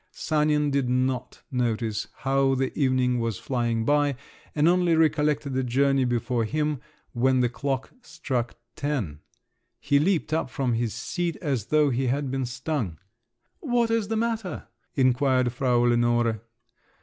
Sanin did not notice how the evening was flying by, and only recollected the journey before him when the clock struck ten. He leaped up from his seat as though he had been stung. "What is the matter?" inquired Frau Lenore.